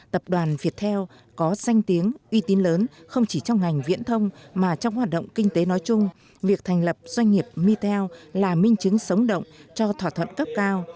tập đoàn viettel có danh tiếng uy tín lớn không chỉ trong ngành viễn thông mà trong hoạt động kinh tế nói chung việc thành lập doanh nghiệp mitel là minh chứng sống động cho thỏa thuận cấp cao